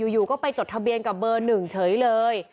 อยู่ก็ไปจดทะเบียนกับเบอร์๑เฉยเลย